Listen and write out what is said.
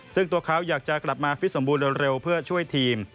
ซึ่งตัวเขาอยากจะกลับมาฟิตสมบูรณ์เร็วเพื่อช่วยทีม